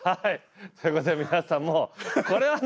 そういうことで皆さんもこれはね